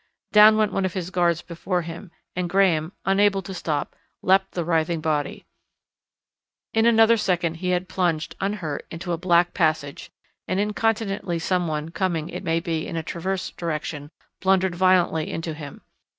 Down went one of his guards before him, and Graham, unable to stop, leapt the writhing body. In another second he had plunged, unhurt, into a black passage, and incontinently someone, coming, it may be, in a transverse direction, blundered violently into him.